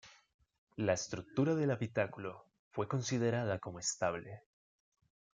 La estructura del habitáculo fue considerada como estable.